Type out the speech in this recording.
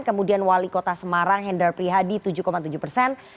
kemudian wali kota semarang hendar prihadi tujuh tujuh persen